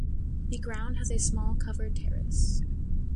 The ground has a small covered terrace.